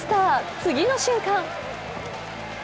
次の瞬間。